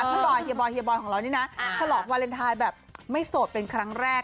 บอยเฮียบอยเฮียบอยของเรานี่นะฉลองวาเลนไทยแบบไม่โสดเป็นครั้งแรก